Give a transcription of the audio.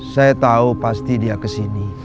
saya tahu pasti dia kesini